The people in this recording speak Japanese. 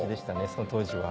その当時は。